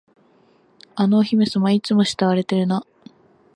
あのお姫様、いつも掠われてるな。